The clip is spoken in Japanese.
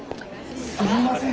すいません。